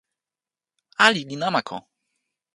ali li namako!